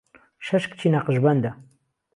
شهش کچی نهقشبهنده